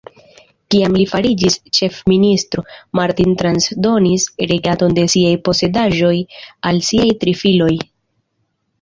Kiam li fariĝis ĉefministro, Martin transdonis regadon de siaj posedaĵoj al siaj tri filoj.